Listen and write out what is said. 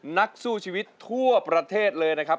นักสู้ชีวิตทั่วประเทศเลยนะครับ